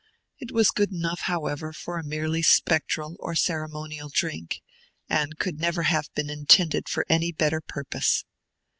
It was good enough, however, for a merely spectral or ceremonial drink, and could never have been intended for any better purpose.